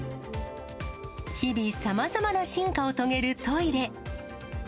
日々、さまざまな進化を遂げるトイレ。